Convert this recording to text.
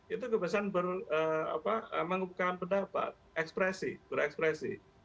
itu kebebasan berapa mengumpulkan pendapat ekspresi berekspresi